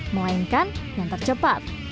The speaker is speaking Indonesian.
melainkan yang tercepat